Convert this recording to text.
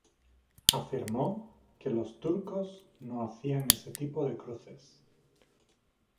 Afirmó que ""los turcos no hacían ese tipo de cruces.